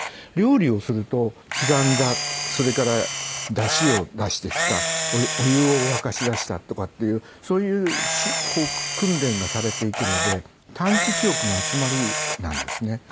料理をすると刻んだそれからダシを出してきたお湯を沸かしだしたとかっていうそういう訓練がされていくので短期記憶の集まりなんですね。